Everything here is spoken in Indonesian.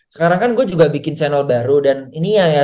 sekarang kan gue juga bikin channel baru dan ini yayasan gue sih ini